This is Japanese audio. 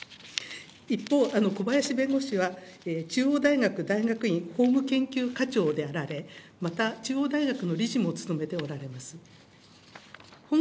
一方、小林弁護士は中央大学大学院法務研究かちょうであられ、また中央大学の理事も務めておられます。